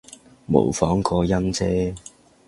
模仿個音啫